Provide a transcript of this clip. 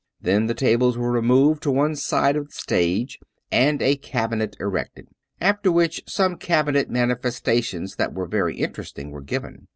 Then the tables were removed to one side of the stage, and a cabinet erected ; after which some cabinet manifestations that were very interesting were given.